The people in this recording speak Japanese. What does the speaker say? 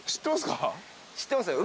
知ってますか？